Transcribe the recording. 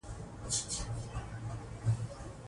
خارجي نظارت د حساب ورکونې ضمانت دی.